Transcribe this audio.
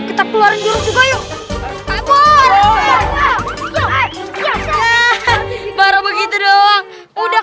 kita keluarin jurus juga yuk